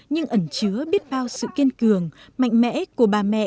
nhưng ẩn chứa biết bao sự kiên cường mạnh mẽ của bà mẹ